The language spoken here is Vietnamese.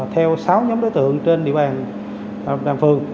theo sáu nhóm đối tượng trên địa bàn phường